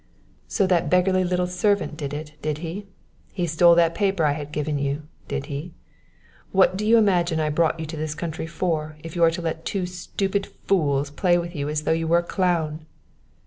"So that beggarly little servant did it, did he? He stole that paper I had given you, did he? What do you imagine I brought you to this country for if you are to let two stupid fools play with you as though you were a clown?"